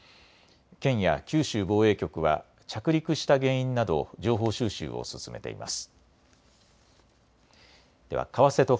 県や九州防衛局は着陸した原因など情報収集を進めています。